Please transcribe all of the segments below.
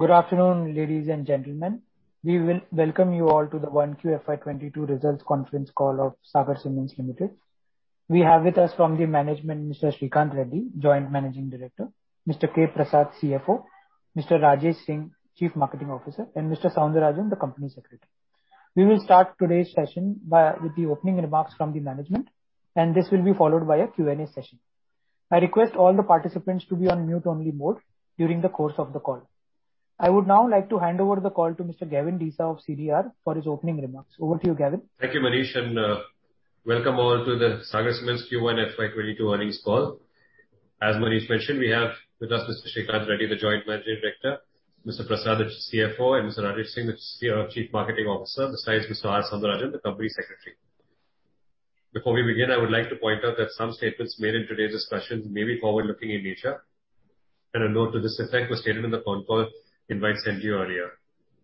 Good afternoon, ladies and gentlemen. We welcome you all to the Q1 FY 2022 results conference call of Sagar Cements Limited. We have with us from the management, S. Sreekanth Reddy, Joint Managing Director, Mr. K. Prasad, CFO, Mr. Rajesh Singh, Chief Marketing Officer, and R. Soundararajan, the Company Secretary. We will start today's session with the opening remarks from the management, and this will be followed by a Q&A session. I request all the participants to be on mute only mode during the course of the call. I would now like to hand over the call to Gavin Desa of CDR India for his opening remarks. Over to you, Gavin. Thank you, Manish, and welcome all to the Sagar Cements Q1 FY 2022 earnings call. As Manish mentioned, we have with us S. Sreekanth Reddy, the Joint Managing Director, Mr. Prasad, the CFO, and Mr. Rajesh Singh, the Chief Marketing Officer, besides Mr. R. Soundararajan, the Company Secretary. Before we begin, I would like to point out that some statements made in today's discussions may be forward-looking in nature, and a note to this effect was stated in the con call invite sent to you earlier.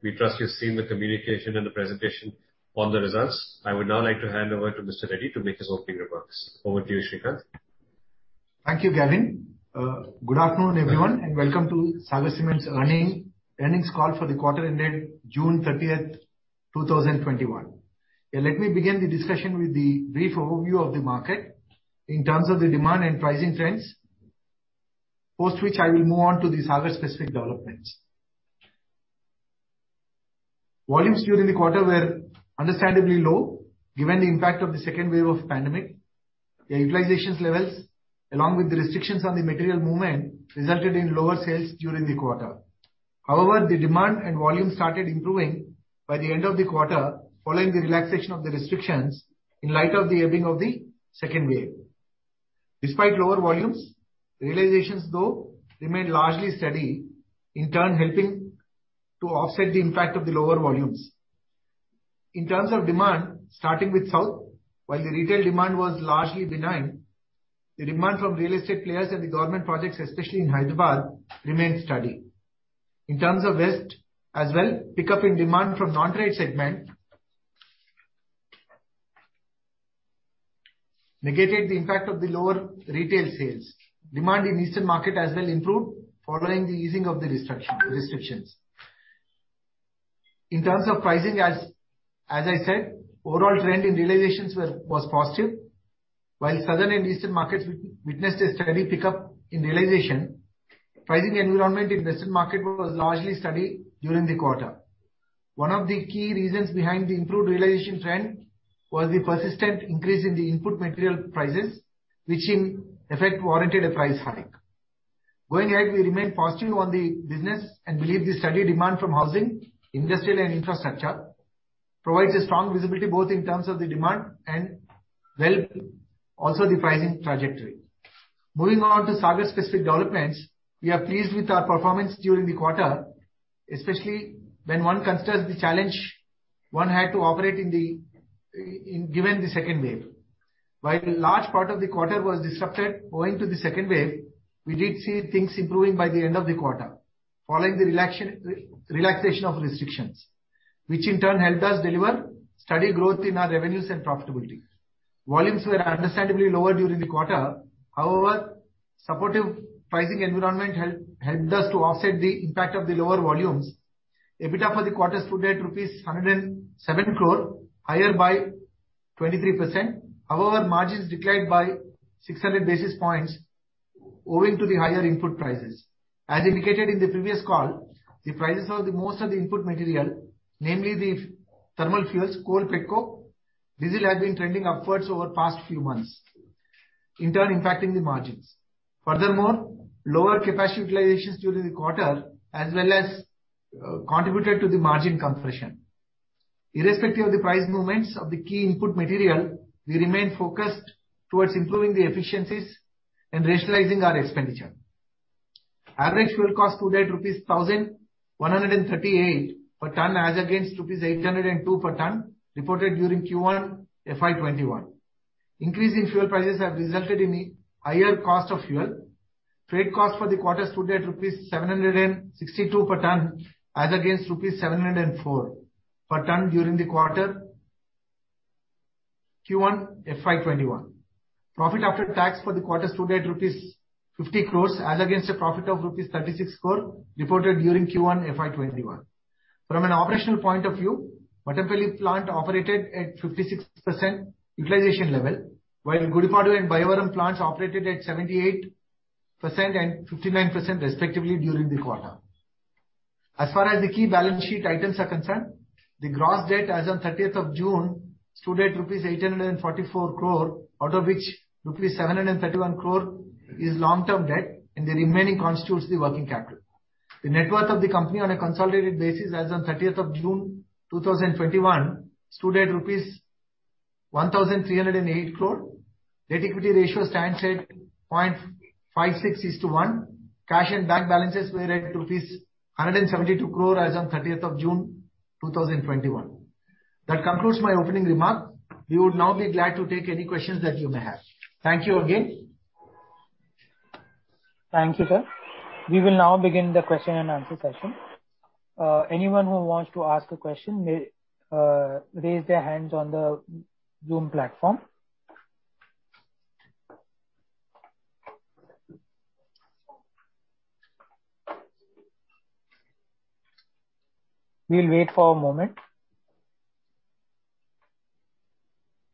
We trust you've seen the communication and the presentation on the results. I would now like to hand over to Mr. Reddy to make his opening remarks. Over to you, Sreekanth. Thank you, Gavin. Good afternoon, everyone, and welcome to Sagar Cements earnings call for the quarter ending June 30th, 2021. Let me begin the discussion with a brief overview of the market in terms of the demand and pricing trends, post which I will move on to the Sagar-specific developments. Volumes during the quarter were understandably low, given the impact of the second wave of the pandemic. The utilizations levels, along with the restrictions on the material movement, resulted in lower sales during the quarter. However, the demand and volume started improving by the end of the quarter, following the relaxation of the restrictions in light of the ebbing of the second wave. Despite lower volumes, realizations though remained largely steady, in turn helping to offset the impact of the lower volumes. In terms of demand, starting with South, while the retail demand was largely benign, the demand from real estate players and the government projects, especially in Hyderabad, remained steady. In terms of West as well, pickup in demand from non-trade segment negated the impact of the lower retail sales. Demand in the Eastern market as well improved following the easing of the restrictions. In terms of pricing, as I said, the overall trend in realizations was positive. While Southern and Eastern markets witnessed a steady pickup in realization, the pricing environment in the Western market was largely steady during the quarter. One of the key reasons behind the improved realization trend was the persistent increase in the input material prices, which in effect warranted a price hike. Going ahead, we remain positive on the business and believe the steady demand from housing, industrial, and infrastructure provides a strong visibility both in terms of the demand and also the pricing trajectory. Moving on to Sagar-specific developments, we are pleased with our performance during the quarter, especially when one considers the challenge one had to operate given the second wave. While a large part of the quarter was disrupted owing to the second wave, we did see things improving by the end of the quarter following the relaxation of restrictions, which in turn helped us deliver steady growth in our revenues and profitability. Volumes were understandably lower during the quarter. However, a supportive pricing environment helped us to offset the impact of the lower volumes. EBITDA for the quarter stood at rupees 107 crore, higher by 23%. However, margins declined by 600 basis points owing to the higher input prices. As indicated in the previous call, the prices of most of the input material, namely the thermal fuels, coal, petcoke, diesel, have been trending upwards over the past few months, in turn impacting the margins. Lower capacity utilizations during the quarter as well contributed to the margin compression. Irrespective of the price movements of the key input material, we remain focused towards improving the efficiencies and rationalizing our expenditure. Average fuel cost stood at rupees 1,138 per ton, as against rupees 802 per ton reported during Q1 FY 2021. Increase in fuel prices have resulted in higher cost of fuel. Freight cost for the quarter stood at rupees 762 per ton as against rupees 704 per ton during the quarter Q1 FY 2021. Profit after tax for the quarter's stood at rupees 50 crore as against a profit of rupees 36 crore reported during Q1 FY 2021. From an operational point of view, Mattampally plant operated at 56% utilization level, while Gudipadu and Bayyavaram plants operated at 78% and 59%, respectively, during the quarter. As far as the key balance sheet items are concerned, the gross debt as on 30th of June stood at rupees 844 crore, out of which rupees 731 crore is long-term debt, and the remaining constitutes the working capital. The net worth of the company on a consolidated basis as on 30th of June 2021, stood at rupees 1,308 crore. Debt equity ratio stands at 561 crore. Cash and bank balances were at rupees 172 crore as on 30th of June 2021. That concludes my opening remarks. We would now be glad to take any questions that you may have. Thank you again. Thank you, sir. We will now begin the question and answer session. Anyone who wants to ask a question may raise their hands on the Zoom platform. We'll wait for a moment.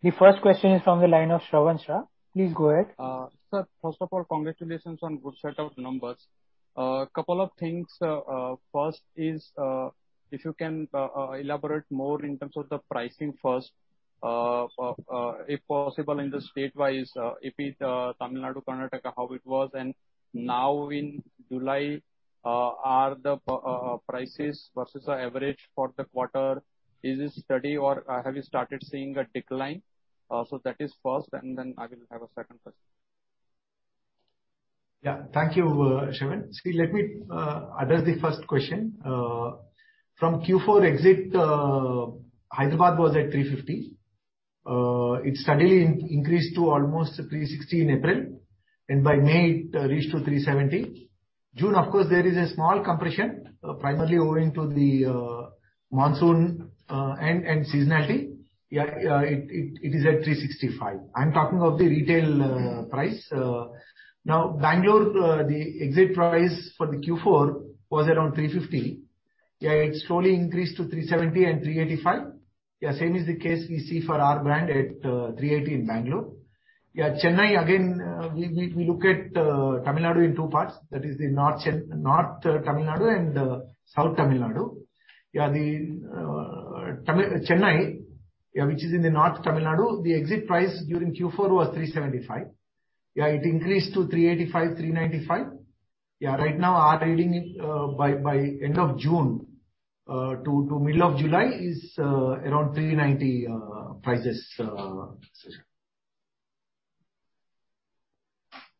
The first question is from the line of Shravan Shah. Please go ahead. Sir, first of all, congratulations on good set of numbers. A couple of things. First is, if you can elaborate more in terms of the pricing first, if possible in the state-wise, be it Tamil Nadu, Karnataka, how it was, and now in July, are the prices versus the average for the quarter, is it steady or have you started seeing a decline? That is first, and then I will have a second question. Thank you, Shravan. Let me address the first question. From Q4 exit, Hyderabad was at 350. It steadily increased to almost 360 in April, and by May it reached to 370. June, of course, there is a small compression, primarily owing to the monsoon and seasonality. It is at 365. I'm talking of the retail price. Bangalore, the exit price for the Q4 was around 350. It slowly increased to 370 and 385. Same is the case we see for our brand at 380 in Bangalore. Chennai again, we look at Tamil Nadu in two parts, that is the North Tamil Nadu and South Tamil Nadu. Yeah, Chennai, which is in the North Tamil Nadu, the exit price during Q4 was 375. Yeah, it increased to 385, 395. Yeah, right now our reading by end of June to middle of July is around 390 prices.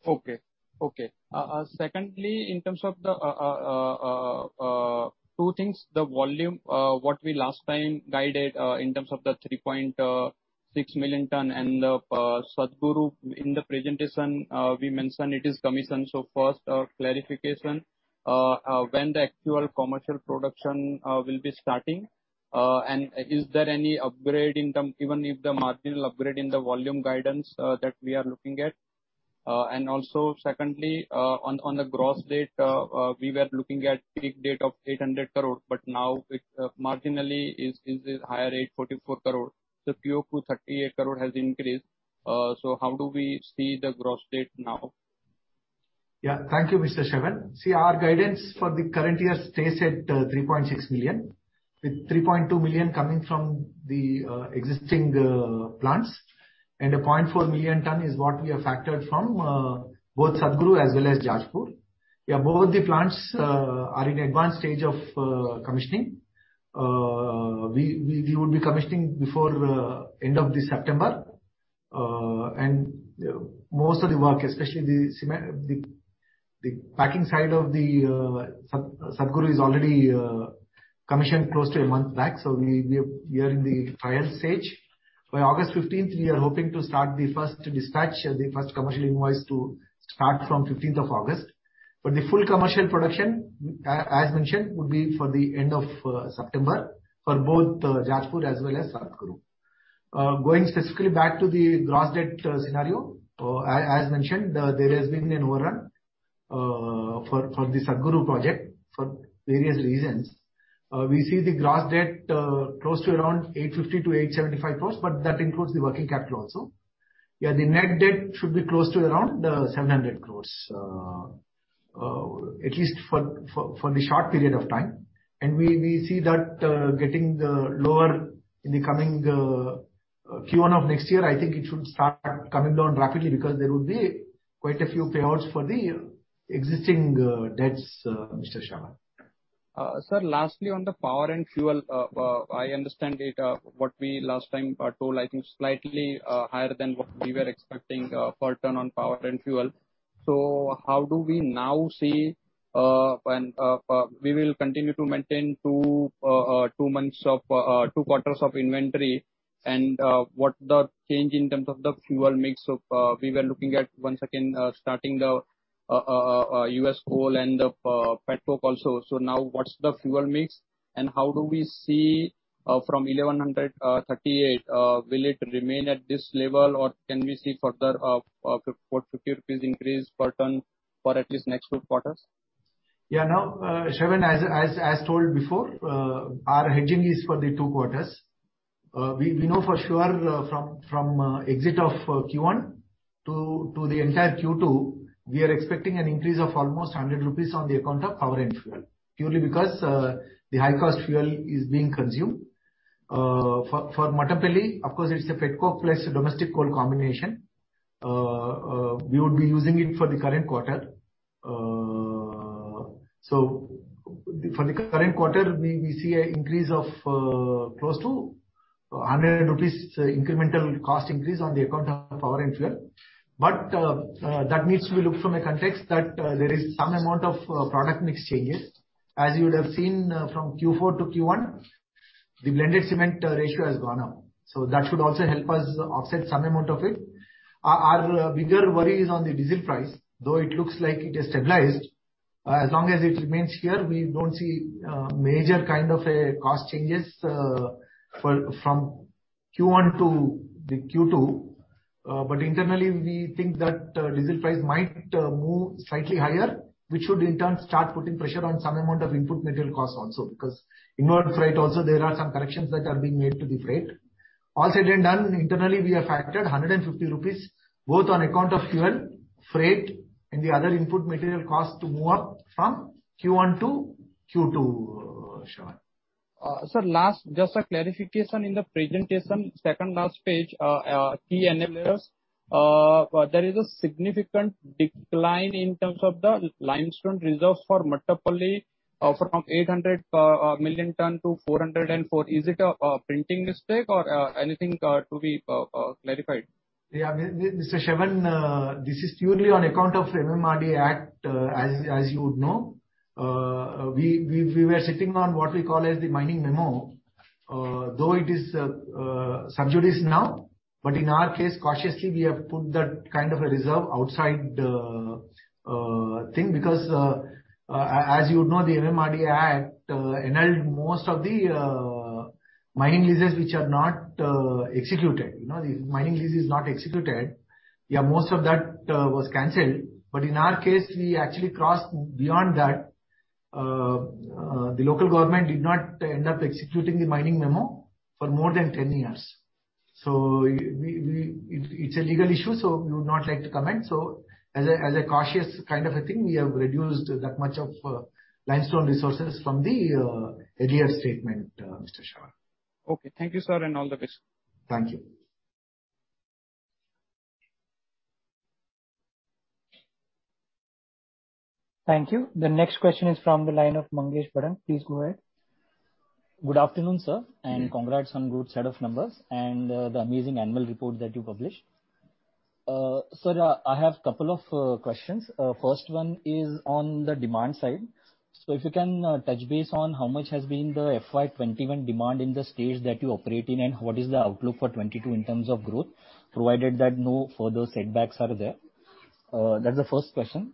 Okay. Secondly, in terms of the two things, the volume, what we last time guided in terms of the 3.6 million tons and Satguru in the presentation, we mentioned it is commissioned. First, clarification, when the actual commercial production will be starting, and is there any upgrade in terms, even if the marginal upgrade in the volume guidance that we are looking at. Secondly, on the gross debt, we were looking at peak debt of 800 crore, but now it marginally is a higher rate, 44 crore. The QOQ 38 crore has increased. How do we see the gross debt now? Yeah. Thank you, Mr. Shravan Shah. See, our guidance for the current year stays at 3.6 million, with 3.2 million coming from the existing plants, and a 0.4 million ton is what we have factored from both Satguru as well as Jajpur. Yeah, both the plants are in advanced stage of commissioning. We would be commissioning before end of this September. Most of the work, especially the packing side of Satguru is already commissioned close to a month back, so we are in the trial stage. By August 15th, we are hoping to start the first dispatch, the first commercial invoice to start from 15th of August. The full commercial production, as mentioned, would be for the end of September for both Jajpur as well as Satguru. Going specifically back to the gross debt scenario, as mentioned, there has been an overrun for the Satguru project for various reasons. We see the gross debt close to around 850 crores-875 crores, but that includes the working capital also. The net debt should be close to around 700 crores, at least for the short period of time. We see that getting lower in the coming Q1 of next year. I think it should start coming down rapidly because there would be quite a few payouts for the existing debts, Mr. Shravan Shah. Sir, lastly, on the power and fuel, I understand it, what we last time told, I think slightly higher than what we were expecting per ton on power and fuel. How do we now see when we will continue to maintain two quarters of inventory and what the change in terms of the fuel mix of, we were looking at once again starting the U.S. coal and the petcoke also? Now what's the fuel mix and how do we see from 1,138, will it remain at this level or can we see further 50 rupees increase per ton for at least next two quarters? Now, Shravan, as told before, our hedging is for the two quarters. We know for sure from exit of Q1 to the entire Q2, we are expecting an increase of almost 100 rupees on the account of power and fuel, purely because the high-cost fuel is being consumed. For Mattampally, of course, it's the petcoke plus domestic coal combination. We would be using it for the current quarter. For the current quarter, we see a increase of close to 100 rupees incremental cost increase on the account of power and fuel. That needs to be looked from a context that there is some amount of product mix changes. As you would have seen from Q4-Q1, the blended cement ratio has gone up. That should also help us offset some amount of it. Our bigger worry is on the diesel price, though it looks like it has stabilized. As long as it remains here, we don't see major kind of a cost changes from Q1 to the Q2. Internally, we think that diesel price might move slightly higher, which should in turn start putting pressure on some amount of input material costs also. Inward freight also, there are some corrections that are being made to the freight. All said and done, internally, we have factored 150 rupees both on account of fuel, freight, and the other input material costs to move up from Q1-Q2, Shravan. Sir, last, just a clarification in the presentation, second last page, key enablers. There is a significant decline in terms of the limestone reserves for Mattampally from 800 million ton-404 million ton. Is it a printing mistake or anything to be clarified? Yeah. Mr. Shravan, this is purely on account of the MMDR Act, as you would know. We were sitting on what we call as the mining memo. Though it is sub judice now, but in our case, cautiously, we have put that kind of a reserve outside the thing because, as you would know, the MMDR Act annulled most of the mining leases which are not executed. The mining lease is not executed. Most of that was canceled. But in our case, we actually crossed beyond that. The local government did not end up executing the mining memo for more than 10 years. It's a legal issue, so we would not like to comment. As a cautious kind of a thing, we have reduced that much of limestone resources from the earlier statement, Mr. Shravan. Okay. Thank you, sir, and all the best. Thank you. Thank you. The next question is from the line of Mangesh Pandey. Please go ahead. Good afternoon, sir. Good afternoon. Congrats on good set of numbers and the amazing annual report that you published. Sir, I have two questions. First one is on the demand side. If you can touch base on how much has been the FY 2021 demand in the states that you operate in, and what is the outlook for FY 2022 in terms of growth, provided that no further setbacks are there? That's the first question.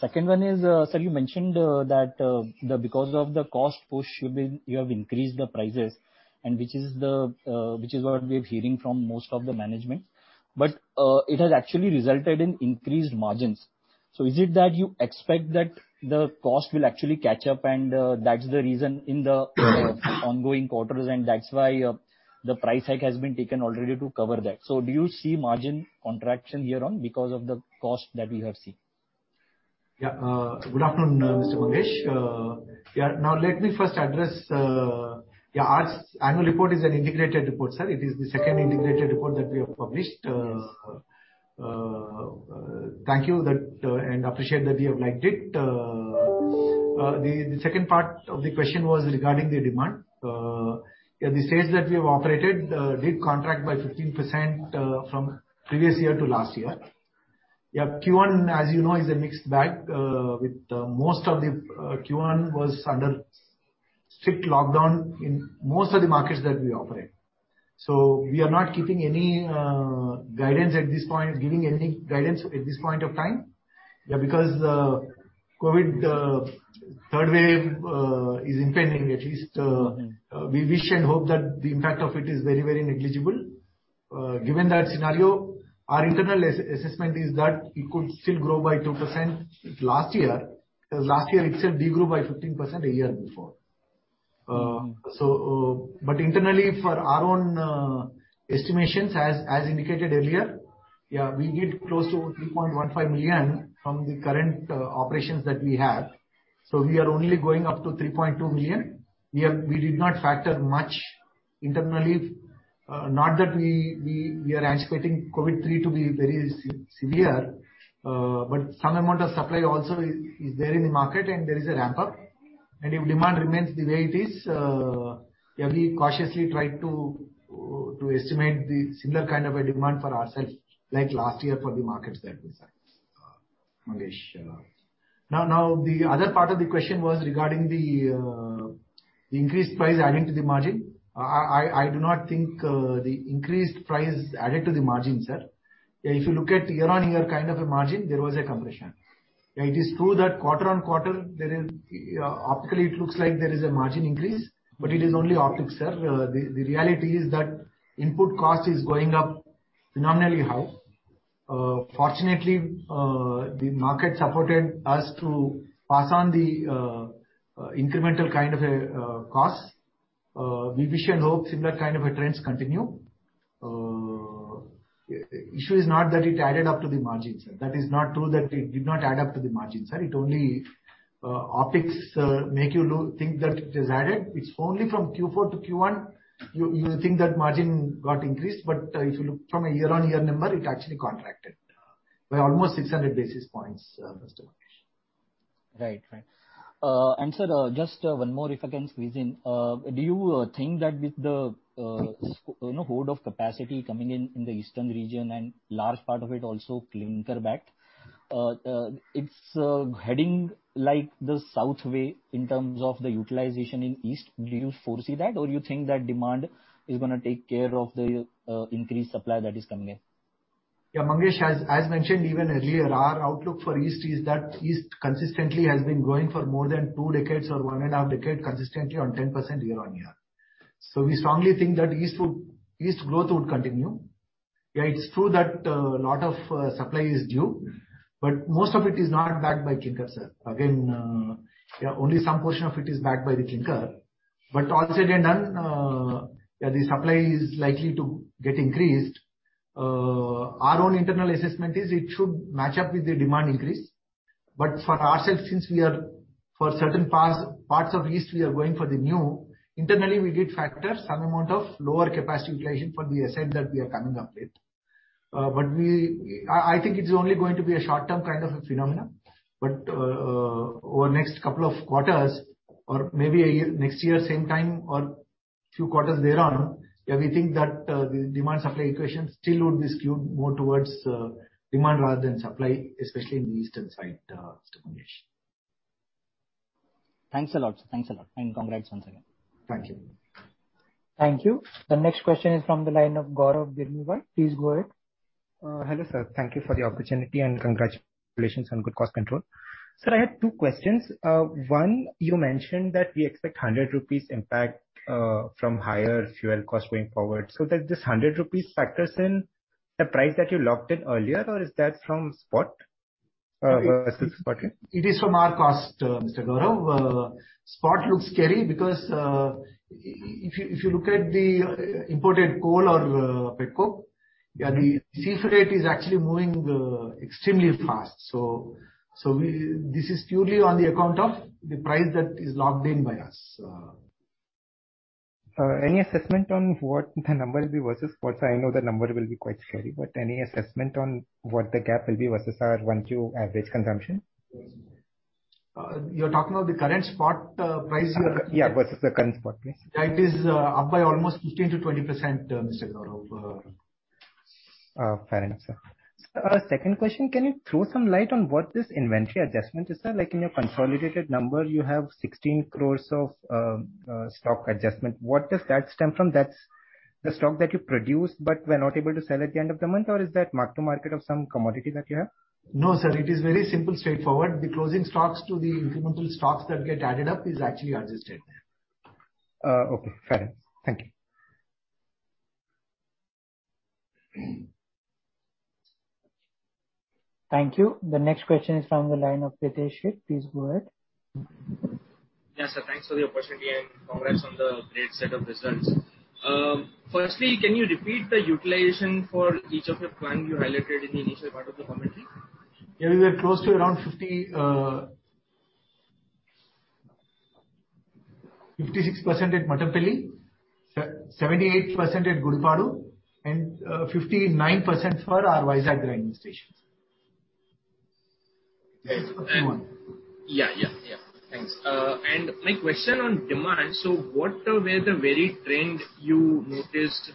Second one is, sir, you mentioned that because of the cost push you have increased the prices, and which is what we're hearing from most of the management. It has actually resulted in increased margins. Is it that you expect that the cost will actually catch up, and that's the reason in the ongoing quarters, and that's why the price hike has been taken already to cover that? Do you see margin contraction here on because of the cost that we have seen? Yeah. Good afternoon, Mr. Mangesh. Now let me first address, our annual report is an integrated report, sir. It is the second integrated report that we have published. Thank you, and appreciate that you have liked it. The second part of the question was regarding the demand. The states that we have operated did contract by 15% from previous year to last year. Q1, as you know, is a mixed bag, with most of the Q1 was under strict lockdown in most of the markets that we operate. We are not giving any guidance at this point of time, because COVID third wave is impending. At least we wish and hope that the impact of it is very negligible. Given that scenario, our internal assessment is that it could still grow by 2% last year. Because last year itself de-grew by 15% a year before. Internally, for our own estimations, as indicated earlier, we get close to 3.15 million from the current operations that we have. We are only going up to 3.2 million. We did not factor much internally. Not that we are anticipating COVID three to be very severe. Some amount of supply also is there in the market, and there is a ramp-up. If demand remains the way it is, we cautiously try to estimate the similar kind of a demand for ourself, like last year for the markets that we serve, Mangesh Pandey. The other part of the question was regarding the increased price adding to the margin. I do not think the increased price added to the margin, sir. If you look at year-on-year kind of a margin, there was a compression. It is true that quarter on quarter, optically it looks like there is a margin increase, but it is only optics, sir. The reality is that input cost is going up phenomenally high. Fortunately, the market supported us to pass on the incremental kind of a cost. We wish and hope similar kind of a trends continue. Issue is not that it added up to the margin, sir. That is not true that it did not add up to the margin, sir. It only optics make you think that it is added. It's only from Q4-Q1, you think that margin got increased, but if you look from a year-on-year number, it actually contracted by almost 600 basis points, Mr. Mangesh. Right. Sir, just one more, if I can squeeze in. Do you think that with the load of capacity coming in the eastern region and large part of it also clinker-backed, it's heading like the south way in terms of the utilization in east? Do you foresee that, or you think that demand is going to take care of the increased supply that is coming in? Mangesh, as mentioned even earlier, our outlook for East is that East consistently has been growing for more than two decades or one and a half decade consistently on 10% year-over-year. We strongly think that East growth would continue. It's true that a lot of supply is due, most of it is not backed by clinker, sir. Again, only some portion of it is backed by the clinker. All said and done, the supply is likely to get increased. Our own internal assessment is it should match up with the demand increase. For ourselves, since for certain parts of East we are going for the new, internally we did factor some amount of lower capacity utilization for the asset that we are coming up with. I think it's only going to be a short-term kind of a phenomenon. Over next couple of quarters or maybe a year, next year same time or few quarters thereon, we think that the demand supply equation still would be skewed more towards demand rather than supply, especially in the eastern side, Mr. Mangesh. Thanks a lot, sir. Thanks a lot, and congrats once again. Thank you. Thank you. The next question is from the line of Gaurav Birmiwal. Please go ahead. Hello, sir. Thank you for the opportunity, and congratulations on good cost control. Sir, I have two questions. One, you mentioned that we expect 100 rupees impact from higher fuel cost going forward. Does this 100 rupees factors in the price that you locked in earlier, or is that from spot? It is from our cost, Mr. Gaurav. Spot looks scary because if you look at the imported coal or petcoke, the sea freight is actually moving extremely fast. This is purely on the account of the price that is locked in by us. Any assessment on what the number will be versus spots? I know the number will be quite scary, but any assessment on what the gap will be versus our Q1 average consumption? You're talking of the current spot price. Yeah. Versus the current spot price. That is up by almost 15%-20%, Mr. Gaurav. Fair enough, sir. Second question, can you throw some light on what this inventory adjustment is, sir? Like in your consolidated number, you have 16 crores of stock adjustment. What does that stem from? That's the stock that you produced but were not able to sell at the end of the month or is that mark to market of some commodity that you have? No, sir. It is very simple, straightforward. The closing stocks to the incremental stocks that get added up is actually adjusted there. Okay, fair enough. Thank you. Thank you. The next question is from the line of Pritesh Sheth. Please go ahead. Yes, sir. Thanks for the opportunity and congrats on the great set of results. Firstly, can you repeat the utilization for each of your plant you highlighted in the initial part of the commentary? We were close to around 56% at Mattampally, 78% at Gudipadu, and 59% for our Vizag grinding station. Thanks. My question on demand, what were the varied trend you noticed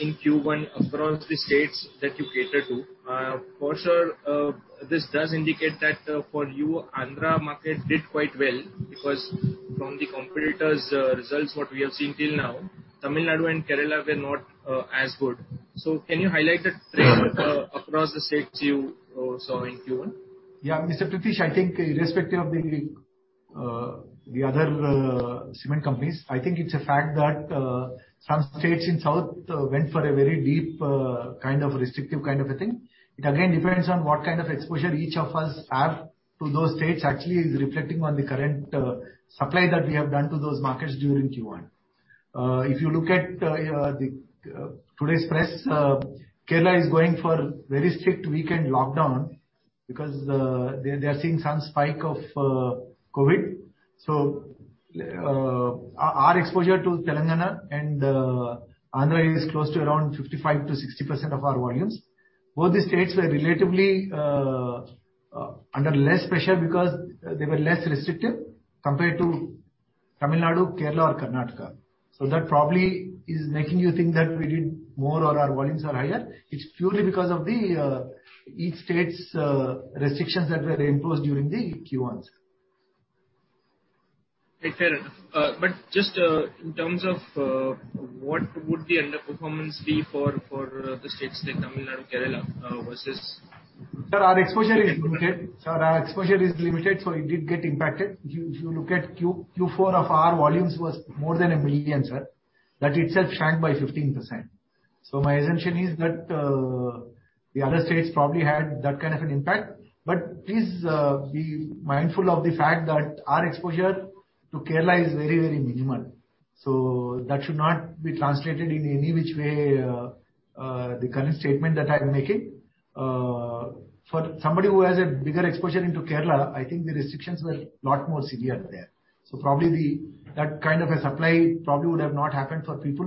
in Q1 across the states that you cater to? For sure this does indicate that for you, Andhra market did quite well because from the competitors' results, what we have seen till now, Tamil Nadu and Kerala were not as good. Can you highlight the trend across the states you saw in Q1? Mr. Pritesh Sheth, I think irrespective of the other cement companies, I think it's a fact that some states in South went for a very deep restrictive kind of a thing. It again depends on what kind of exposure each of us have to those states actually is reflecting on the current supply that we have done to those markets during Q1. If you look at today's press, Kerala is going for very strict weekend lockdown because they are seeing some spike of COVID. Our exposure to Telangana and Andhra is close to around 55%-60% of our volumes. Both the states were relatively under less pressure because they were less restrictive compared to Tamil Nadu, Kerala or Karnataka. That probably is making you think that we did more or our volumes are higher. It's purely because of each state's restrictions that were imposed during the Q1, sir. Fair enough. Just in terms of what would the underperformance be for the states like Tamil Nadu, Kerala versus? Sir, our exposure is limited, so it did get impacted. If you look at Q4 of our volumes was more than one million, sir. That itself shrank by 15%. My assumption is that the other states probably had that kind of an impact. Please be mindful of the fact that our exposure to Kerala is very minimal. That should not be translated in any which way, the current statement that I'm making. For somebody who has a bigger exposure into Kerala, I think the restrictions were a lot more severe there. Probably that kind of a supply probably would have not happened for people.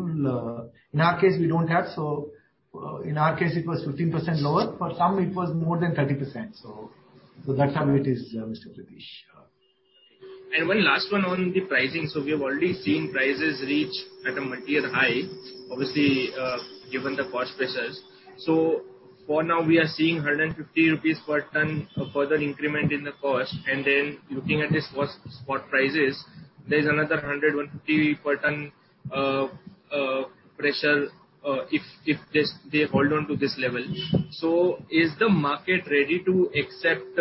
In our case, we don't have, so in our case it was 15% lower. For some it was more than 30%. That how it is, Mr. Pritesh. One last one on the pricing. We have already seen prices reach at a multi-year high, obviously, given the cost pressures. For now we are seeing 150 rupees per ton of further increment in the cost, and then looking at the spot prices, there's another 100, 150 per ton pressure if they hold on to this level. Is the market ready to accept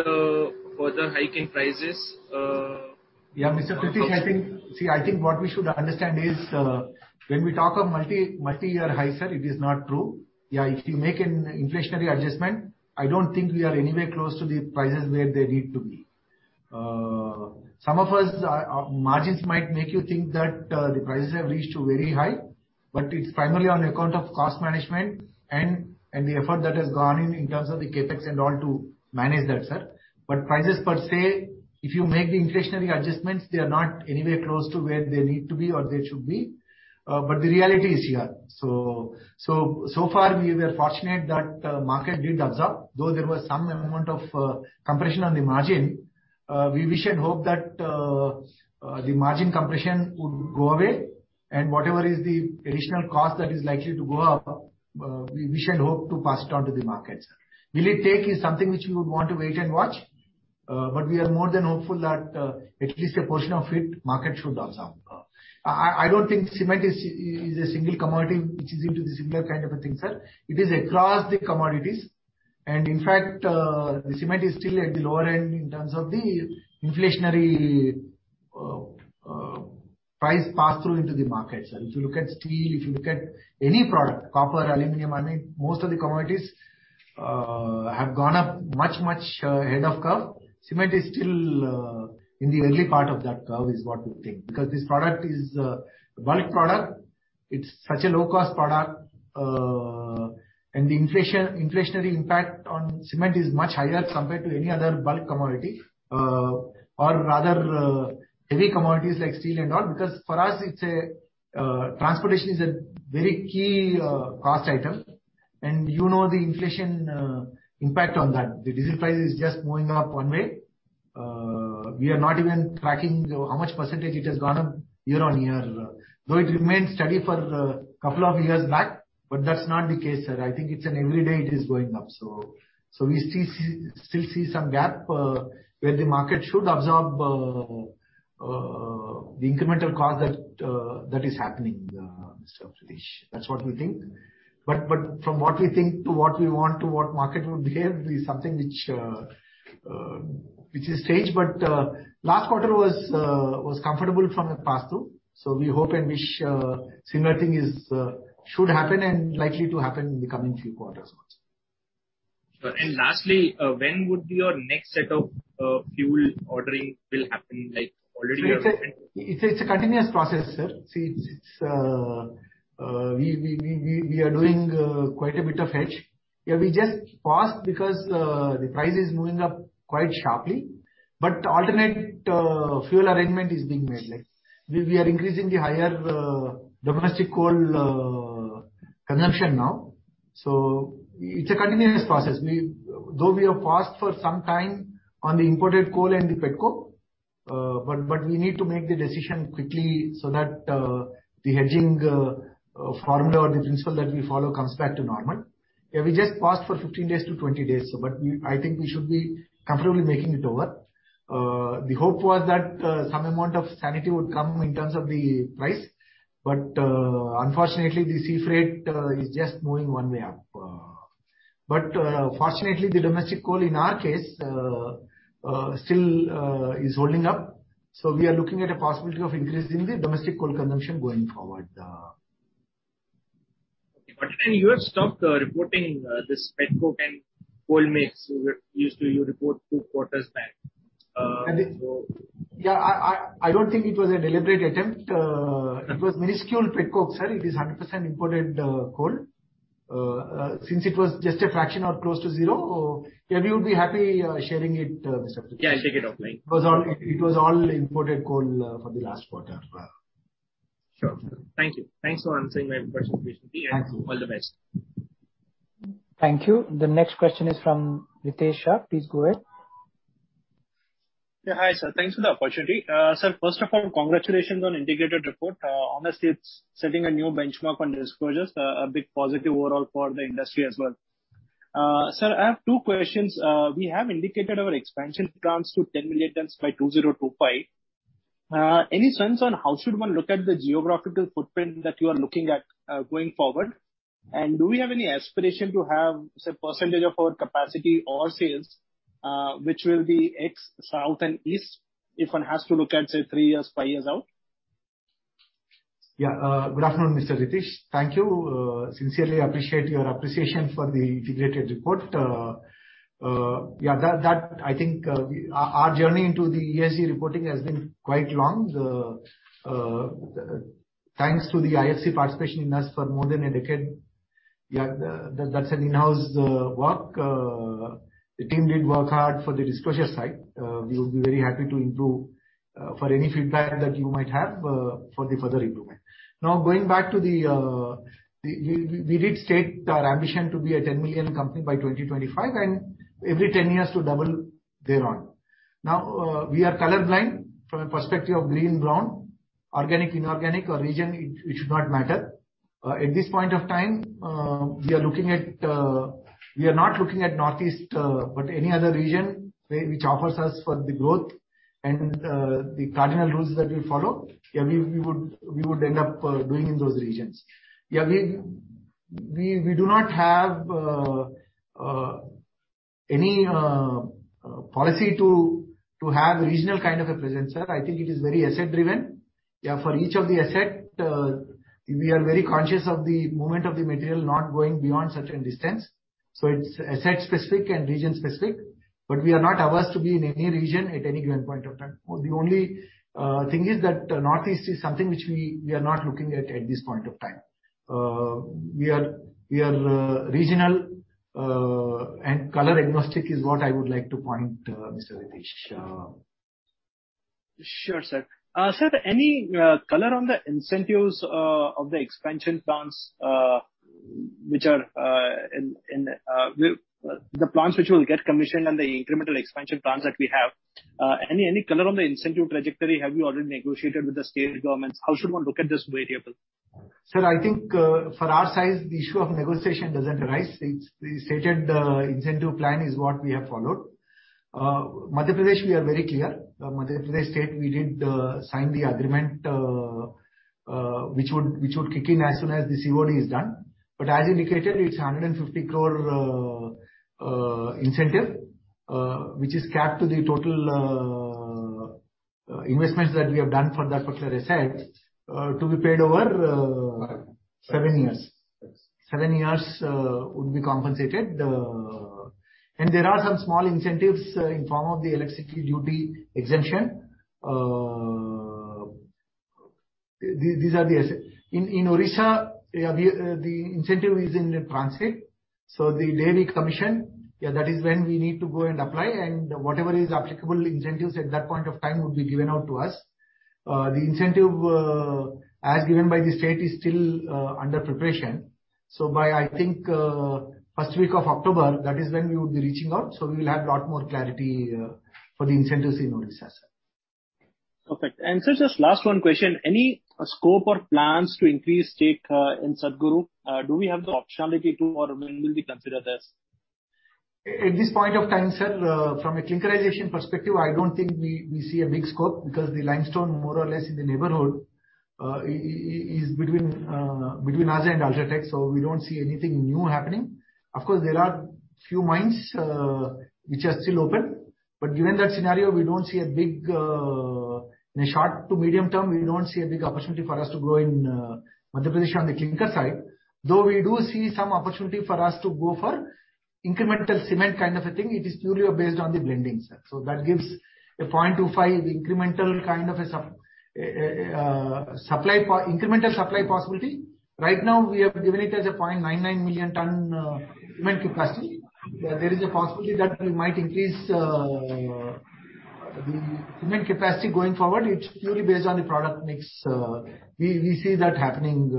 further hike in prices? Yeah, Mr. Pritesh Sheth. See, I think what we should understand is, when we talk of multi-year high, sir, it is not true. Yeah, if you make an inflationary adjustment, I don't think we are anywhere close to the prices where they need to be. Some of us, our margins might make you think that the prices have reached very high, but it's primarily on account of cost management and the effort that has gone in terms of the CapEx and all, to manage that, sir. Prices per se, if you make the inflationary adjustments, they are not anywhere close to where they need to be or they should be. The reality is here. So far we were fortunate that market did absorb, though there was some amount of compression on the margin. We wish and hope that the margin compression would go away, and whatever is the additional cost that is likely to go up, we wish and hope to pass it on to the market, sir. Will it take is something which we would want to wait and watch. We are more than hopeful that at least a portion of it market should absorb. I don't think cement is a single commodity which is into the similar kind of a thing, sir. It is across the commodities. In fact, the cement is still at the lower end in terms of the inflationary price pass-through into the market, sir. If you look at steel, if you look at any product, copper, aluminum, I mean, most of the commodities have gone up much, much ahead of curve. Cement is still in the early part of that curve is what we think. This product is a bulk product, it's such a low-cost product, and the inflationary impact on cement is much higher compared to any other bulk commodity, or rather heavy commodities like steel and all. For us, transportation is a very key cost item. You know the inflation impact on that. The diesel price is just moving up one way. We are not even tracking how much percentage it has gone up year-on-year. It remained steady for a couple of years back, but that's not the case, sir. I think it's an everyday it is going up. We still see some gap where the market should absorb the incremental cost that is happening, Mr. Pritesh Sheth. That's what we think. From what we think, to what we want, to what market would behave is something which is staged. Last quarter was comfortable from a pass-through, so we hope and wish similar thing should happen and likely to happen in the coming few quarters also. Sure. Lastly, when would your next set of fuel ordering will happen? It's a continuous process, sir. We are doing quite a bit of hedge. We just paused because the price is moving up quite sharply. Alternate fuel arrangement is being made. We are increasing the higher domestic coal consumption now. It's a continuous process. We have paused for some time on the imported coal and the petcoke, but we need to make the decision quickly so that the hedging formula or the principle that we follow comes back to normal. We just paused for 15 days to 20 days, but I think we should be comfortably making it over. The hope was that some amount of sanity would come in terms of the price, but unfortunately the sea freight is just moving one way up. Fortunately, the domestic coal in our case still is holding up. We are looking at a possibility of increasing the domestic coal consumption going forward. Okay. You have stopped reporting this petcoke and coal mix. Used to you report two quarters back. Yeah. I don't think it was a deliberate attempt. It was minuscule petcoke, sir. It is 100% imported coal. Since it was just a fraction or close to zero, yeah, we would be happy sharing it, Mr. Pritesh. Yeah, I'll take it offline. It was all imported coal for the last quarter. Sure. Thank you. Thanks for answering my questions, Mr. Sreekanth Reddy. Thank you. All the best. Thank you. The next question is from Ritesh Shah. Please go ahead. Yeah. Hi, sir. Thanks for the opportunity. Sir, first of all, congratulations on integrated report. Honestly, it's setting a new benchmark on disclosures. A big positive overall for the industry as well. Sir, I have two questions. We have indicated our expansion plans to 10 million tons by 2025. Any sense on how should one look at the geographical footprint that you are looking at going forward? Do we have any aspiration to have, say, % of our capacity or sales which will be ex south and east if one has to look at, say, three years, five years out? Yeah. Good afternoon, Mr. Ritesh. Thank you. Sincerely appreciate your appreciation for the integrated report. Yeah, I think our journey into the ESG reporting has been quite long. Thanks to the IFC participation in us for more than a decade. Yeah, that's an in-house work. The team did work hard for the disclosure side. We would be very happy to improve for any feedback that you might have for the further improvement. Now, going back, we did state our ambition to be a 10 million company by 2025, and every 10 years to double thereon. Now, we are colorblind from a perspective of green, brown, organic, inorganic or region, it should not matter. At this point of time, we are not looking at Northeast, but any other region which offers us for the growth and the cardinal rules that we follow. Yeah, we would end up doing in those regions. Yeah, we do not have any policy to have a regional kind of a presence, sir. I think it is very asset-driven. For each of the asset, we are very conscious of the movement of the material not going beyond certain distance. It's asset-specific and region-specific. We are not averse to be in any region at any given point of time. The only thing is that Northeast is something which we are not looking at this point of time. We are regional and color-agnostic is what I would like to point, Mr. Ritesh. Sure, sir. Sir, any color on the incentives of the expansion plants, the plants which will get commissioned and the incremental expansion plants that we have? Any color on the incentive trajectory? Have you already negotiated with the state governments? How should one look at this variable? Sir, I think for our size, the issue of negotiation doesn't arise. The stated incentive plan is what we have followed. Madhya Pradesh, we are very clear. Madhya Pradesh state, we did sign the agreement, which would kick in as soon as the COD is done. As indicated, it's 150 crore incentive, which is capped to the total investments that we have done for that particular asset to be paid over seven years. Seven years would be compensated. There are some small incentives in form of the electricity duty exemption. These are the assets. In Odisha, the incentive is in transit. The day we commission, that is when we need to go and apply, and whatever is applicable incentives at that point of time would be given out to us. The incentive, as given by the state, is still under preparation. By, I think, first week of October, that is when we would be reaching out. We will have a lot more clarity for the incentives in Odisha, sir. Perfect. Sir, just last one question. Any scope or plans to increase stake in Satguru Cement? Do we have the optionality to, or when will we consider this? At this point of time, sir, from a clinkerization perspective, I don't think we see a big scope because the limestone more or less in the neighborhood is between us and UltraTech, so we don't see anything new happening. Of course, there are few mines which are still open. Given that scenario, in the short to medium term, we don't see a big opportunity for us to grow in Madhya Pradesh on the clinker side, though we do see some opportunity for us to go for incremental cement kind of a thing. It is purely based on the blending, sir. That gives a 0.25 incremental supply possibility. Right now, we have given it as a 0.99 million ton cement capacity. There is a possibility that we might increase the cement capacity going forward. It's purely based on the product mix. We see that happening.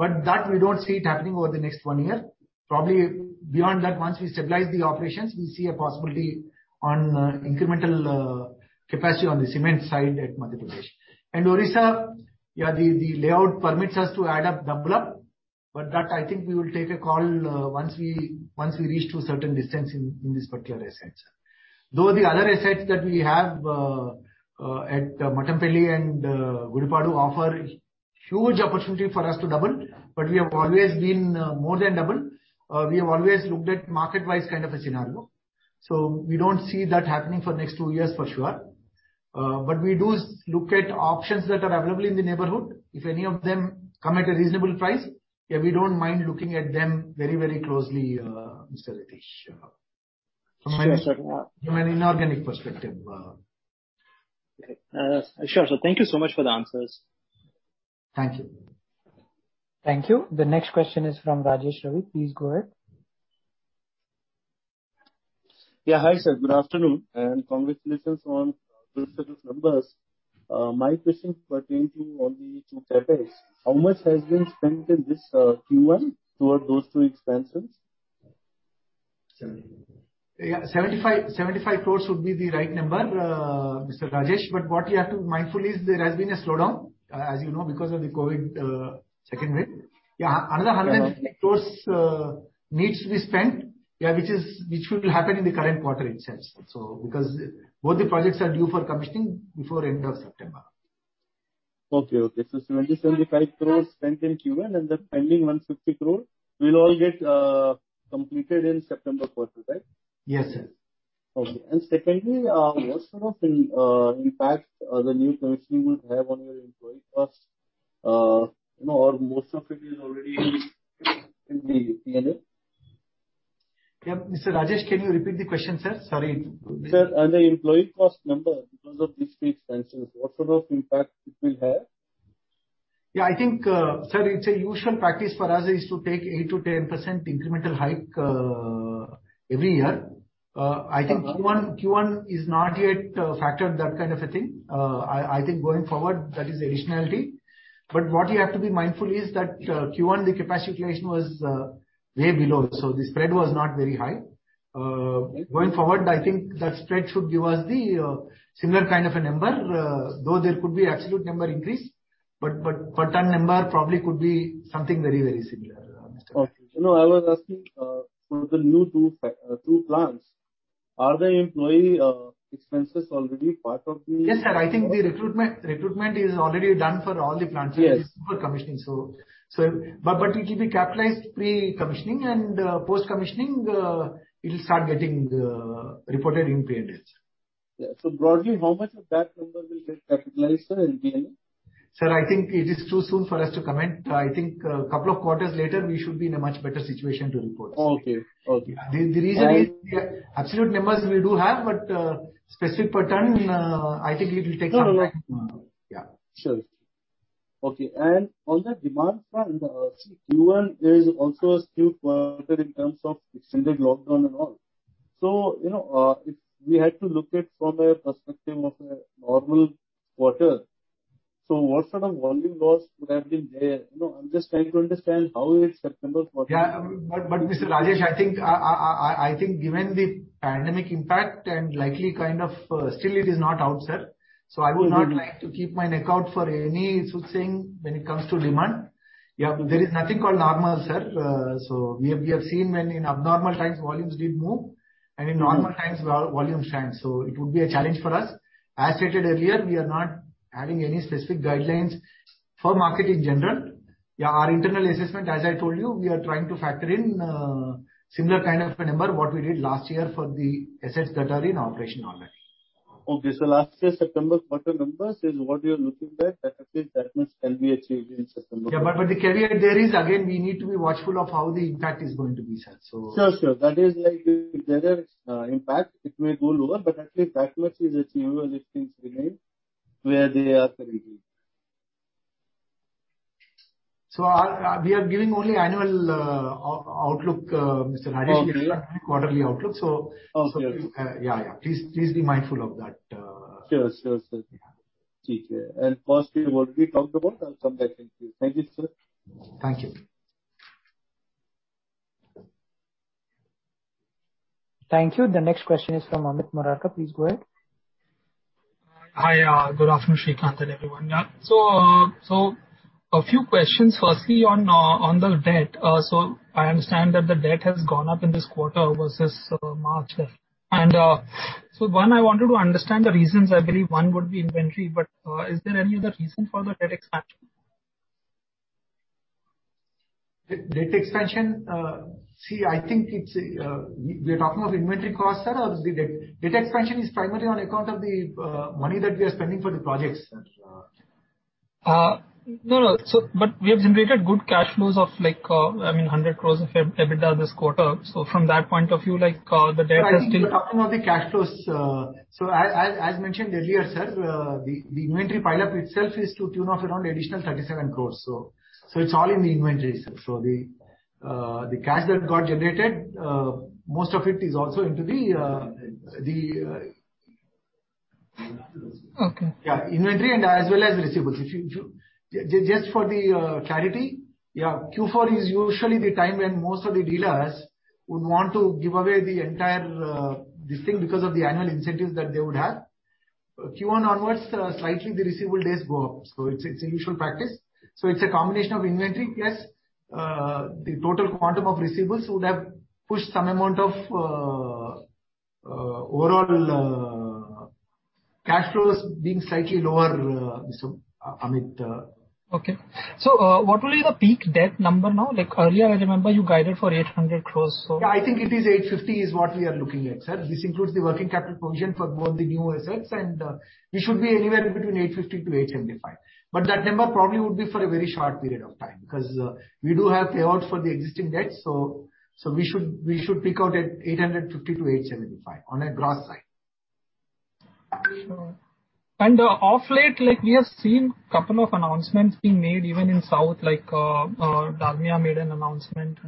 That we don't see it happening over the next one year. Probably beyond that, once we stabilize the operations, we see a possibility on incremental capacity on the cement side at Madhya Pradesh. Odisha, the layout permits us to add up, double up. That, I think we will take a call once we reach to certain distance in this particular asset, sir. The other assets that we have at Mattampally and Gudipadu offer huge opportunity for us to double. We have always been more than double. We have always looked at market wise kind of a scenario. We don't see that happening for next two years for sure. We do look at options that are available in the neighborhood. If any of them come at a reasonable price, we don't mind looking at them very closely, Mr. Ritesh. Sure, sir. From an inorganic perspective. Okay. Sure, sir. Thank you so much for the answers. Thank you. Thank you. The next question is from Rajesh Ravi. Please go ahead. Yeah. Hi, sir. Good afternoon. Congratulations on those set of numbers. My question pertaining on the two CapEx. How much has been spent in this Q1 toward those two expansions? 75 crores would be the right number, Mr. Rajesh, but what you have to be mindful is there has been a slowdown, as you know, because of the COVID second wave. Another 150 crores needs to be spent, which will happen in the current quarter itself, sir. Because both the projects are due for commissioning before end of September. Okay. 75 crores spent in Q1 and the pending 150 crore will all get completed in September quarter, right? Yes, sir. Okay. Secondly, what sort of impact the new commissioning will have on your employee cost? Most of it is already in the P&L. Yeah. Mr. Rajesh, can you repeat the question, sir? Sorry. Sir, on the employee cost number because of these three expenses, what sort of impact it will have? Yeah, I think, sir, it's a usual practice for us is to take 8%-10% incremental hike every year. I think Q1 is not yet factored that kind of a thing. I think going forward, that is additionality. What you have to be mindful is that Q1, the capacity utilization was way below, so the spread was not very high. Going forward, I think that spread should give us the similar kind of a number, though there could be absolute number increase, but per ton number probably could be something very similar, Mr. Rajesh. Okay. I was asking for the new two plants. Are the employee expenses already part of the? Yes, sir. I think the recruitment is already done for all the plants. Yes. Before commissioning. It will be capitalized pre-commissioning, and post-commissioning it'll start getting reported in P&Ls. Yeah. Broadly, how much of that number will get capitalized, sir, in P&L? Sir, I think it is too soon for us to comment. I think a couple of quarters later, we should be in a much better situation to report. Okay. The reason is, absolute numbers we do have, but specific per ton, I think it'll take some time. No. Yeah. Sure. Okay. On the demand front, Q1 is also a steep quarter in terms of extended lockdown and all. If we had to look at from a perspective of a normal quarter, what sort of volume loss would have been there? I'm just trying to understand how is September quarter. Mr. Rajesh, I think given the pandemic impact and likely still it is not out, sir. I would not like to keep my neck out for any soothing when it comes to demand. There is nothing called normal, sir. We have seen when in abnormal times volumes did move, and in normal times volumes shrank, so it would be a challenge for us. As stated earlier, we are not adding any specific guidelines for market in general. Our internal assessment, as I told you, we are trying to factor in similar kind of a number what we did last year for the assets that are in operation already. Okay. Last year, September quarter numbers is what you're looking at, that at least that much can be achieved in September. Yeah. The caveat there is, again, we need to be watchful of how the impact is going to be, sir. Sure. That is like if there is impact, it may go lower, but at least that much is achievable if things remain where they are currently. We are giving only annual outlook, Mr. Rajesh. Okay. Not quarterly outlook. Okay. Yeah. Please be mindful of that. Sure. Okay. Possibly what we talked about, I'll come back to you. Thank you, sir. Thank you. Thank you. The next question is from Amit Murarka. Please go ahead. Hi. Good afternoon, Sreekanth and everyone. A few questions. Firstly, on the debt. I understand that the debt has gone up in this quarter versus March. One, I wanted to understand the reasons. I believe one would be inventory, but is there any other reason for the debt expansion? Debt expansion? See, I think we're talking of inventory cost or the debt expansion is primarily on account of the money that we are spending for the projects. No. We have generated good cash flows of 100 crores of EBITDA this quarter. From that point of view, the debt has. I think you're talking of the cash flows. As mentioned earlier, sir, the inventory pileup itself is to tune of around additional 37 crores. It's all in the inventory, sir. The cash that got generated, most of it is also. Inventory. Okay. Yeah. Inventory and as well as receivables. Just for the clarity, yeah, Q4 is usually the time when most of the dealers would want to give away the entire thing because of the annual incentives that they would have. Q1 onwards, slightly the receivable days go up. It's a usual practice. It's a combination of inventory plus the total quantum of receivables would have pushed some amount of overall cash flows being slightly lower, Amit. Okay. What will be the peak debt number now? Earlier, I remember you guided for 800 crores. I think it is 850 is what we are looking at, sir. This includes the working capital position for both the new assets, and we should be anywhere between 850-875. That number probably would be for a very short period of time, because we do have payouts for the existing debts, so we should peak out at 850-875 on a gross side. Sure. Of late, we have seen couple of announcements being made even in South, like Dalmia made an announcement.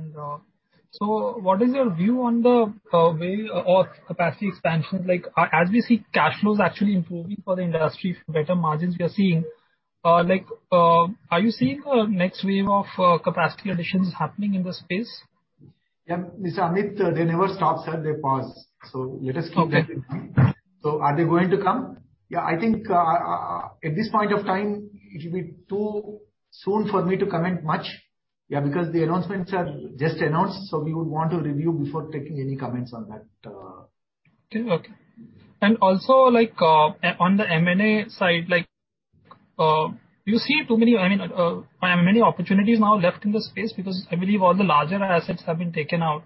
What is your view on the way or capacity expansion? As we see cash flows actually improving for the industry, better margins we are seeing, are you seeing a next wave of capacity additions happening in the space? Yeah. Mr. Murarka, they never stop, sir, they pause. Let us keep that in mind. Are they going to come? Yeah, I think at this point of time, it will be too soon for me to comment much. Yeah, because the announcements are just announced, we would want to review before taking any comments on that. Okay. Also on the M&A side, do you see too many M&A opportunities now left in the space, because I believe all the larger assets have been taken out?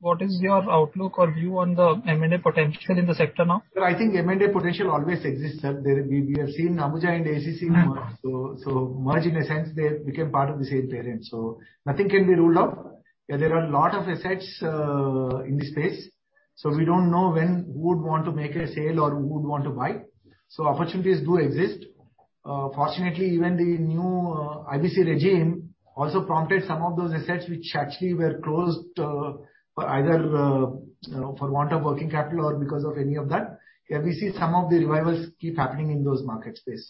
What is your outlook or view on the M&A potential in the sector now? Sir, I think M&A potential always exists, sir. We have seen Ambuja and ACC merge. Merge in a sense, they became part of the same parent. Nothing can be ruled out. There are a lot of assets in this space, so we don't know when who would want to make a sale or who would want to buy. Opportunities do exist. Fortunately, even the new IBC regime also prompted some of those assets, which actually were closed either for want of working capital or because of any of that. Yeah, we see some of the revivals keep happening in those market space.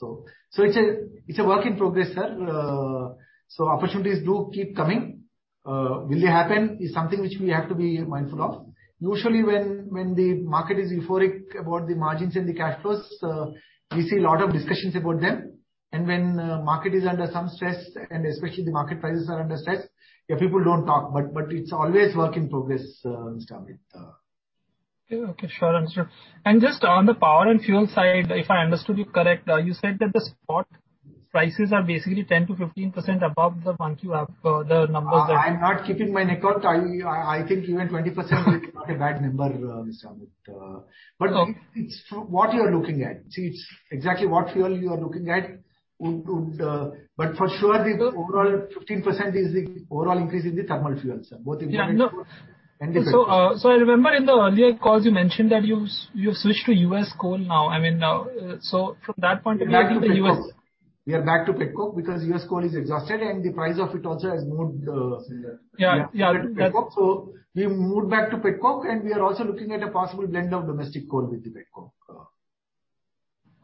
It's a work in progress, sir. Opportunities do keep coming. Will they happen is something which we have to be mindful of. Usually, when the market is euphoric about the margins and the cash flows, we see a lot of discussions about them. And when market is under some stress, and especially the market prices are under stress, people don't talk. It's always work in progress, Mr. Amit. Okay, sure. Understood. Just on the power and fuel side, if I understood you correct, you said that the spot prices are basically 10%-15% above the Q1 numbers. I'm not keeping my neck out. I think even 20% is not a bad number, Mr. Amit. It's what you are looking at. It's exactly what fuel you are looking at. For sure, the overall 15% is the overall increase in the thermal fuels, sir. Both imported. Yeah, no. Domestic. I remember in the earlier calls you mentioned that you have switched to U.S. coal now. From that point of view, I think the. We are back to petcoke, because U.S. coal is exhausted, and the price of it also has moved. Yeah. We moved back to petcoke, and we are also looking at a possible blend of domestic coal with the petcoke.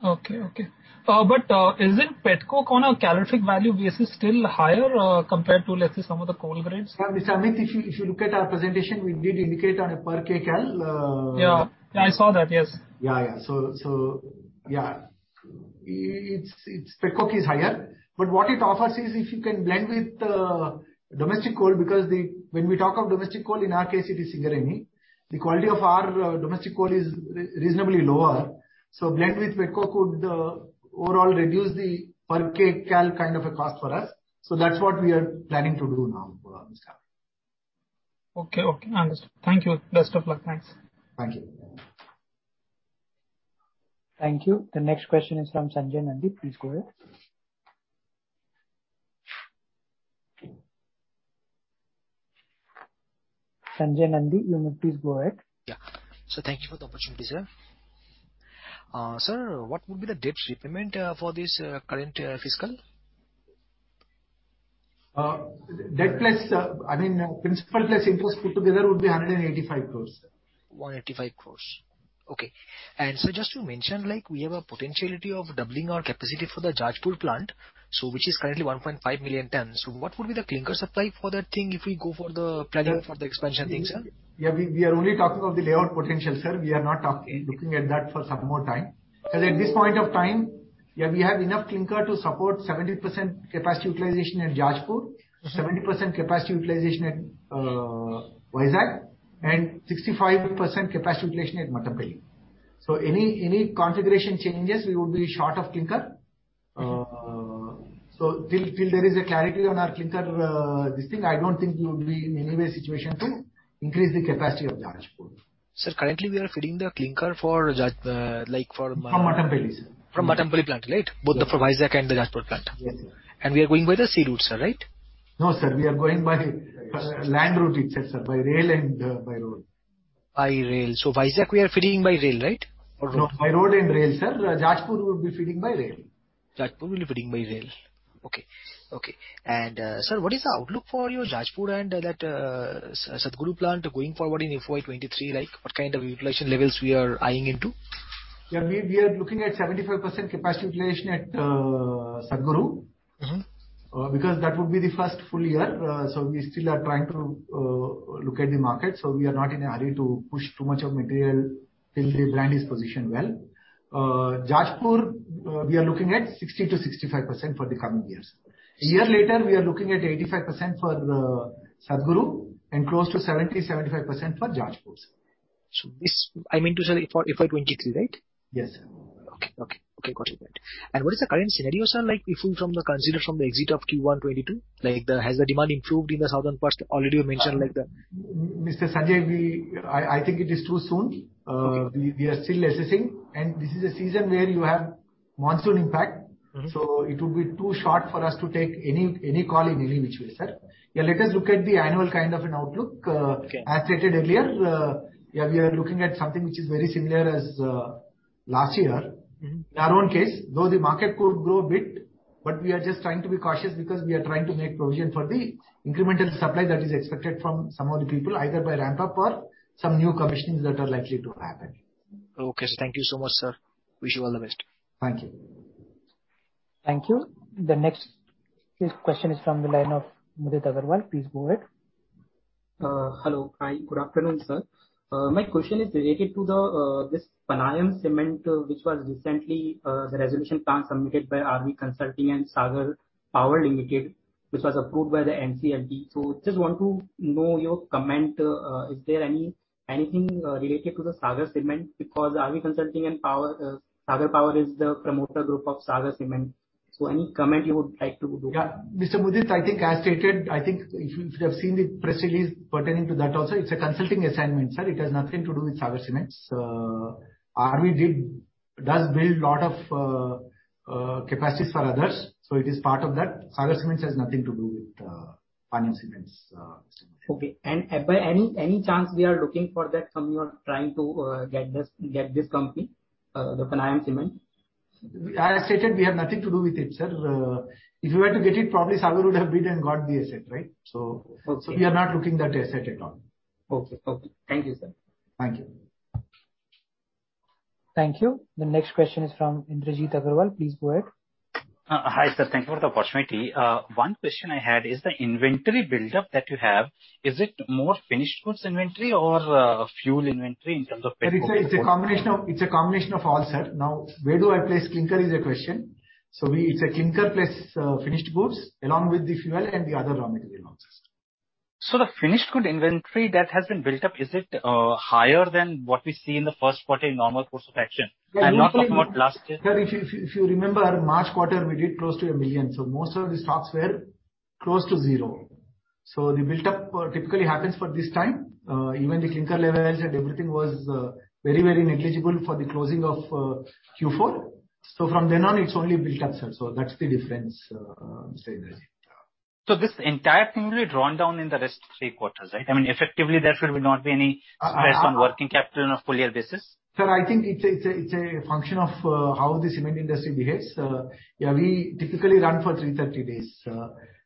Okay. Isn't petcoke, on a calorific value basis, still higher compared to, let's say, some of the coal grades? Mr. Amit, if you look at our presentation, we did indicate on a per kcal. Yeah. I saw that. Yes. Yeah. Petcoke is higher. What it offers is if you can blend with domestic coal, because when we talk of domestic coal, in our case, it is Singareni. The quality of our domestic coal is reasonably lower. A blend with petcoke could overall reduce the per kcal kind of a cost for us. That's what we are planning to do now, Mr. Amit Murarka. Okay. Understood. Thank you. Best of luck. Thanks. Thank you. Thank you. The next question is from Sanjay Nandi. Please go ahead. Sanjay Nandi, you may please go ahead. Yeah. Thank you for the opportunity, sir. Sir, what would be the debts repayment for this current fiscal? Debt plus principal plus interest put together would be 185 crores. 185 crores. Okay. Sir, just you mentioned, we have a potentiality of doubling our capacity for the Jajpur plant, which is currently 1.5 million tons. What would be the clinker supply for that thing if we go for the planning for the expansion thing, sir? Yeah. We are only talking of the layout potential, sir. We are not looking at that for some more time. At this point of time, we have enough clinker to support 70% capacity utilization at Jajpur, 70% capacity utilization at Vizag, and 65% capacity utilization at Mattampally. Any configuration changes, we would be short of clinker. Till there is a clarity on our clinker, this thing, I don't think we would be in any way situation to increase the capacity of Jajpur. Sir, currently we are feeding the clinker. From Mattampally, sir. From Mattampally plant, right? Both for Vizag and the Jajpur plant. Yes, sir. We are going by the sea route, sir, right? No, sir. We are going by land route itself, sir. By rail and by road. By rail. Vizag we are feeding by rail, right? Or road? No, by road and rail, sir. Jajpur we'll be feeding by rail. Jajpur will be feeding by rail. Okay. sir, what is the outlook for your Jajpur and that Satguru plant going forward in FY 2023? What kind of utilization levels we are eyeing into? Yeah. We are looking at 75% capacity utilization at Satguru. That would be the first full year, so we still are trying to look at the market. We are not in a hurry to push too much of material till the brand is positioned well. Jajpur, we are looking at 60%-65% for the coming years. A year later, we are looking at 85% for Satguru and close to 70%-75% for Jajpur, sir. This, I mean to say, for FY 2023, right? Yes. Okay. Got it. What is the current scenario, sir, if we consider from the exit of Q1 FY 2022? Has the demand improved in the southern parts? Already you mentioned. Mr. Sanjay, I think it is too soon. Okay. We are still assessing. This is a season where you have monsoon impact. It would be too short for us to take any call in any which way, sir. Let us look at the annual kind of an outlook. Okay. As stated earlier, we are looking at something which is very similar as last year. In our own case, though the market could grow a bit, but we are just trying to be cautious because we are trying to make provision for the incremental supply that is expected from some of the people, either by ramp-up or some new commissionings that are likely to happen. Okay, sir. Thank you so much, sir. Wish you all the best. Thank you. Thank you. The next question is from the line of Mudit Agarwal. Please go ahead. Hello. Hi. Good afternoon, sir. My question is related to this Panyam Cements, which was recently the resolution plan submitted by RV Consulting and Sagar Power Limited, which was approved by the NCLT. Just want to know your comment. Is there anything related to the Sagar Cements? Because RV Consulting and Sagar Power is the promoter group of Sagar Cements. Any comment you would like to do? Yeah. Mr. Mudit, I think as stated, I think if you have seen the press release pertaining to that also, it's a consulting assignment, sir. It has nothing to do with Sagar Cements. RV does build lot of capacities for others, so it is part of that. Sagar Cements has nothing to do with Panyam Cements. Okay. by any chance they are looking for that, trying to get this company, the Panyam Cement? As stated, we have nothing to do with it, sir. If we had to get it, probably Sagar would have bid and got the asset, right? We are not looking that asset at all. Okay. Thank you, sir. Thank you. Thank you. The next question is from Indrajit Agarwal. Please go ahead. Hi, sir. Thank you for the opportunity. One question I had is the inventory buildup that you have, is it more finished goods inventory or fuel inventory in terms of petcoke. It's a combination of all, sir. Where do I place clinker is a question. It's a clinker plus finished goods along with the fuel and the other raw material also, sir. The finished good inventory that has been built up, is it higher than what we see in the first quarter in normal course of action? Sir, if you remember, March quarter, we did close to one million, most of the stocks were close to zero. The buildup typically happens for this time. Even the clinker levels and everything was very negligible for the closing of Q4. From then on, it is only built up, sir. That is the difference I am saying there. This entire thing will be drawn down in the rest three quarters, right? Effectively, there will not be any stress on working capital on a full year basis. Sir, I think it's a function of how the cement industry behaves. We typically run for 330 days.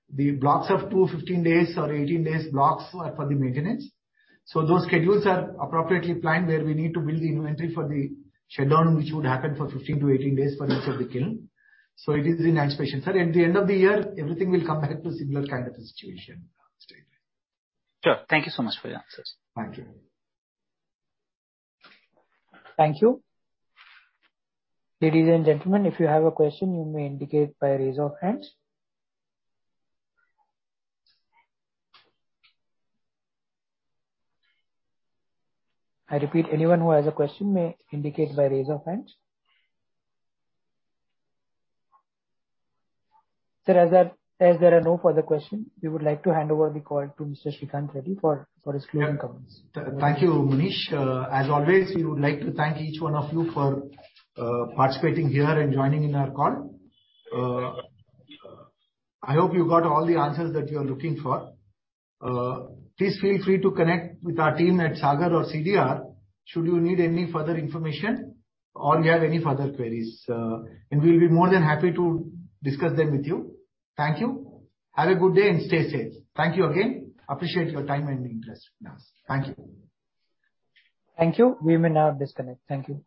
The blocks of two 15 days or 18 days blocks are for the maintenance. Those schedules are appropriately planned, where we need to build the inventory for the shutdown, which would happen for 15-18 days for each of the kiln. It is in anticipation. Sir, at the end of the year, everything will come back to similar kind of a situation straightaway. Sure. Thank you so much for the answers. Thank you. Thank you. Ladies and gentlemen, if you have a question, you may indicate by a raise of hands. I repeat, anyone who has a question may indicate by raise of hands. Sir, as there are no further question, we would like to hand over the call to Mr. S. Sreekanth Reddy for his closing comments. Thank you, Manish. As always, we would like to thank each one of you for participating here and joining in our call. I hope you got all the answers that you are looking for. Please feel free to connect with our team at Sagar or CDR should you need any further information or you have any further queries, and we'll be more than happy to discuss them with you. Thank you. Have a good day and stay safe. Thank you again. Appreciate your time and interest in us. Thank you. Thank you. We may now disconnect. Thank you.